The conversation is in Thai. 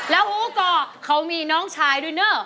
แล้วเขาก็เขามีน้องชายด้วยเนอะ